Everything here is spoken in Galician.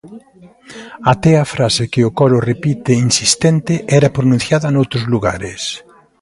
Até a frase que o coro repite insistente era pronunciada noutros lugares.